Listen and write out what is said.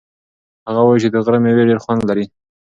هغه وایي چې د غره مېوې ډېر خوند لري.